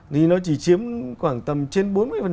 thì nó chỉ chiếm khoảng tầm trên bốn mươi